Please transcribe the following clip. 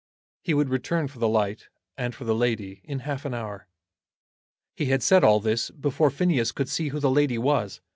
He would return for the light, and for the lady, in half an hour. He had said all this before Phineas could see who the lady was.